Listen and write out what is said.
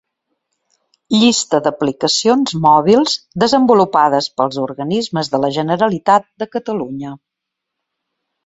Llista d'aplicacions mòbils desenvolupades pels organismes de la Generalitat de Catalunya.